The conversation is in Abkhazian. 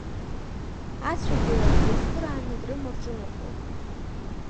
Ацәагьы ларгьы еицхырааны, дрыма рҿынархон.